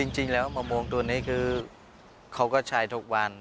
จริงแล้วมะม่วงตัวนี้คือเขาก็ใช้ทุกวัน